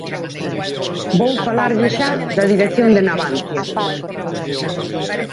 Vou falarlle xa da dirección de Navantia.